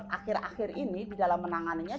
akhir akhir ini di dalam menanganinya